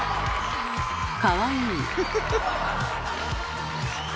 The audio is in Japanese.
かわいい。